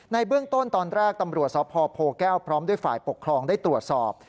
เบื้องต้นตอนแรกตำรวจสพโพแก้วพร้อมด้วยฝ่ายปกครองได้ตรวจสอบ